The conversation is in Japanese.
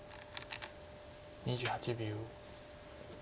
２８秒。